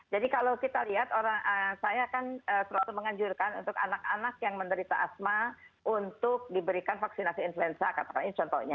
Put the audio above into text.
jadi kalau kita lihat saya kan serasa menganjurkan untuk anak anak yang menderita asma untuk diberikan vaksinasi influenza katakanlah ini contohnya